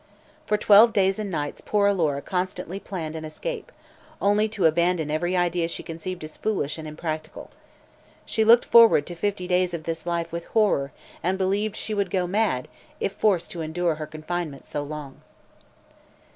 For twelve days and nights poor Alora constantly planned an escape, only to abandon every idea she conceived as foolish and impractical. She looked forward to fifty days of this life with horror and believed she would go mad if forced to endure her confinement so long.